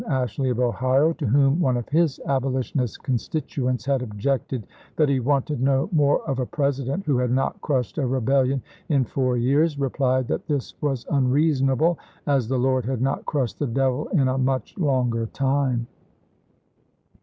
Ashley, of Ohio, to whom one of his abolitionist constituents had objected that he wanted no more of a President who had not crushed a rebellion in four years, replied that this was unreasonable, as the Lord had not crushed the devil in a much longer time.